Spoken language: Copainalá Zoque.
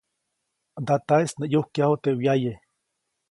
Ndataʼis nä ʼyukyaju teʼ wyaye.